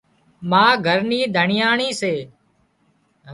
ما گھر نِي ڌڻيئاڻي سي